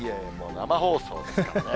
生放送ですからね。